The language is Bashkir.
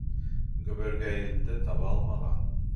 Гөбөргәйелде таба алмаған.